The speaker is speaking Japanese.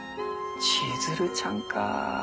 千鶴ちゃんか。